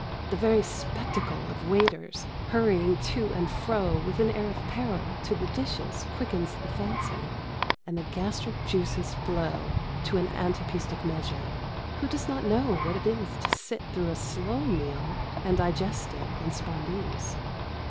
The very spectacle of waiters hurrying to and fro with an air of peril to the dishes quickens the fancy, and the gastric juices flow to an anapæstic measure. Who does not know what it is to sit through a slow meal and digest in spondees?